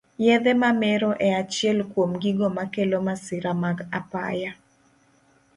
Yedhe mamero e achiel kuom gigo makelo masira mag apaya